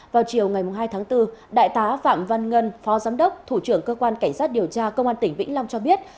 vào chiều ngày hai tháng bốn đại tá phạm văn ngân phó giám đốc thủ trưởng cơ quan cảnh sát điều tra công an tỉnh vĩnh long cho biết